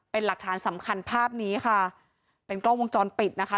เป็นหลักฐานสำคัญภาพนี้ค่ะเป็นกล้องวงจรปิดนะคะ